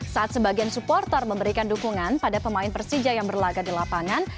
saat sebagian supporter memberikan dukungan pada pemain persija yang berlaga di lapangan